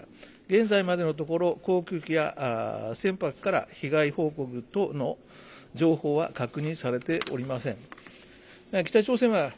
現在までのところ、航空機や船舶から被害報告等の情報は確認されておりません。